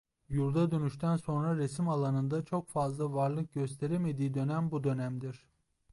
Yurda dönüşten sonra resim alanında çok fazla varlık gösteremediği dönem bu dönemdir.